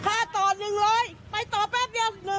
ค่าต่อ๑๐๐ไปต่อแป๊บเดียว